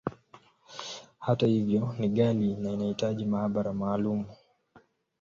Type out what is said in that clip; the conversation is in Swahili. Hata hivyo, ni ghali, na inahitaji maabara maalumu.